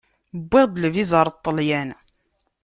Wwiɣ-d lviza ar Ṭelyan.